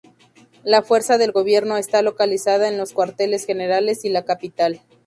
La fuerza del gobierno está localizada en los cuarteles generales y la capital.